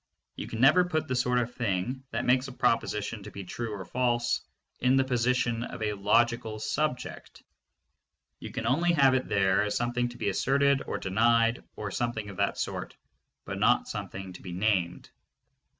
You can never put the sort of thing that makes a proposition to be true or false in the position of a logical subject. You can only have it there as something to be asserted or denied or something of that sort, but not something to be named.